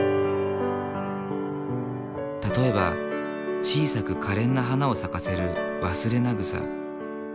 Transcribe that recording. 例えば小さくかれんな花を咲かせる「ワスレナグサ」。